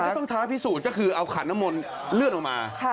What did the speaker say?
ต้องท้าพิสูจน์ก็คือเอาขันน้ำมนต์เลื่อนออกมา